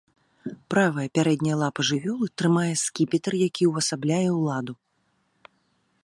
Правая пярэдняя лапа жывёлы трымае скіпетр, які ўвасабляе ўладу.